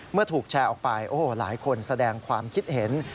เมื่อถูกแชร์ออกไปโอ้โหหลายคนแสดงความคิดเห็น